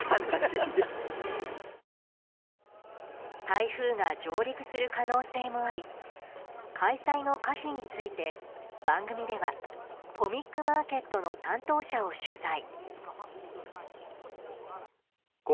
台風が上陸する可能性もあり開催の可否について、番組ではコミックマーケットの担当者を取材。